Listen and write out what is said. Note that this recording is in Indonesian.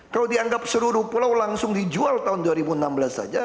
kalau dianggap seluruh pulau langsung dijual tahun dua ribu enam belas saja